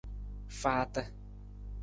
Faata.